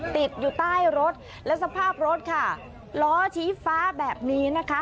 ติดอยู่ใต้รถและสภาพรถค่ะล้อชี้ฟ้าแบบนี้นะคะ